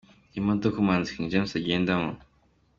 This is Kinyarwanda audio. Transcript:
Iyi ni imodoka umuhanzi King James agendamo.